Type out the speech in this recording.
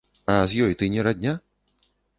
А з ёй ты не радня?